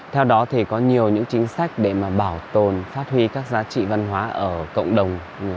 theo đó thì có nhiều những chính sách để mà bảo tồn phát huy các giá trị văn hóa ở cộng đồng